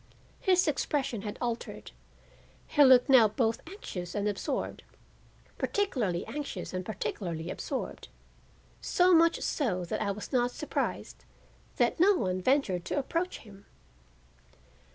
His expression had altered. He looked now both anxious and absorbed, particularly anxious and particularly absorbed; so much so that I was not surprised that no one ventured to approach him.